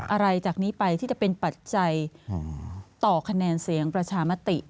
อะไรจากนี้ไปที่จะเป็นปัจจัยต่อคะแนนเสียงประชามติ